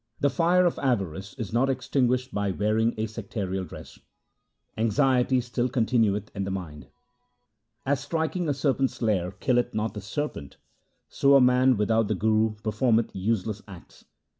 The fire of avarice is not extinguished by wearing a sectarial dress ; anxiety still continueth in the mind. As striking a serpent's lair killeth not the serpent, so a man without the Guru performeth useless acts.